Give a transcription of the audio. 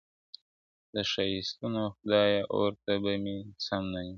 د ښايستونو خدایه اور ته به مي سم نيسې,